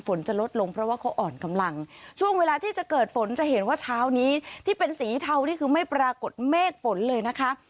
ฝนจะลดลงเพราะว่าเขาอ่อนกำลังช่วงเวลาที่จะเกิดฝนจะเห็นว่าเช้านี้ที่เป็นสีเทานี่คือไม่ปรากฏเมฆฝนเลยนะคะ